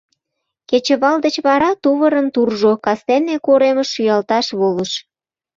Кечывал деч вара тувырым туржо, кастене коремыш шӱялташ волыш.